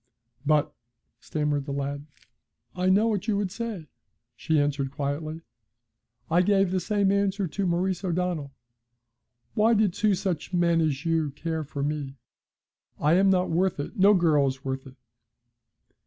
'But ' stammered the lad. 'I know what you would say,' she answered quietly. 'I gave the same answer to Maurice O'Donnell. Why did two such men as you care for me? I am not worth it, no girl is worth it.